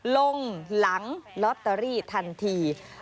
ลงหลังลอตเตอรี่ทันที